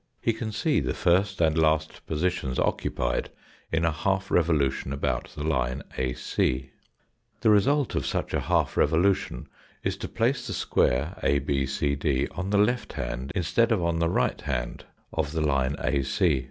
He can see the first and last positions occupied in a half revolution about the line AC. The result of such a half revo lution is to place the square ABCD on the left hand instead of on the right hand of the line AC.